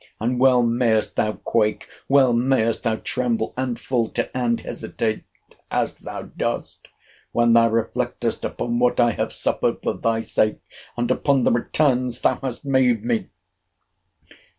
—And well may'st thou quake; well may'st thou tremble, and falter, and hesitate, as thou dost, when thou reflectest upon what I have suffered for thy sake, and upon the returns thou hast made me!